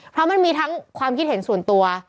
เพราะมันมีทั้งความคิดเห็นส่วนตัว